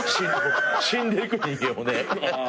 死んでいく人間をね。